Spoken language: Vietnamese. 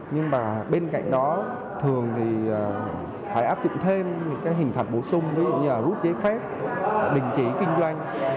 nhưng mà bên cạnh đó thường thì phải áp dụng thêm những cái hình phạt bổ sung ví dụ như là rút giấy phép đình chỉ kinh doanh